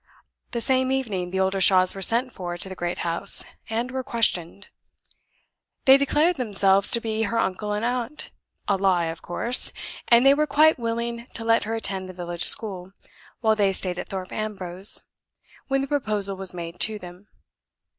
The same evening, the Oldershaws were sent for to the great house and were questioned. They declared themselves to be her uncle and aunt a lie, of course! and they were quite willing to let her attend the village school, while they stayed at Thorpe Ambrose, when the proposal was made to them.